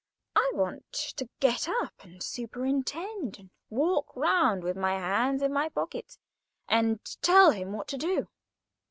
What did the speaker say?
I want to get up and superintend, and walk round with my hands in my pockets, and tell him what to do.